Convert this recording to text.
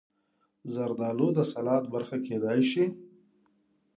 زردالو د سلاد برخه کېدای شي.